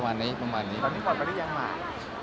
ตอนนี้ความรู้สึกยังไหว